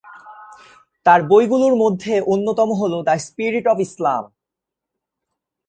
তার বইগুলোর মধ্যে অন্যতম হল দ্যা স্পিরিট অফ ইসলাম।